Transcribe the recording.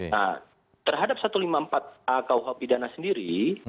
nah terhadap satu ratus lima puluh empat a kuh pidana sendiri